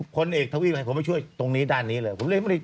คนเอกทวีพให้ช่วยตรงนี้ด้านนี้เลย